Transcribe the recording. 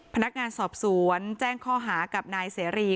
พนักงานสอบสวนแจ้งข้อหากับนายเสรี